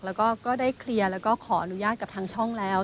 แล้วก็ได้เคลียร์แล้วก็ขออนุญาตกับทางช่องแล้ว